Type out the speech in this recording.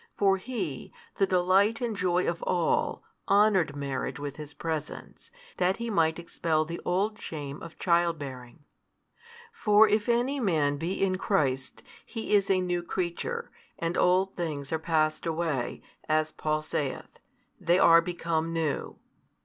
For He, the Delight and Joy of all, honoured marriage with His Presence, that He might expel the old shame of child bearing. For if any man be in Christ, he is a new creature; and old things are passed away, as Paul saith, they are become new.